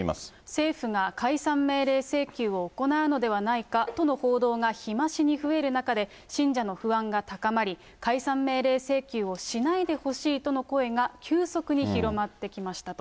政府が解散命令請求を行うのではないかとの報道が、日増しに増える中で、信者の不安が高まり、解散命令請求をしないでほしいとの声が急速に広まってきましたと。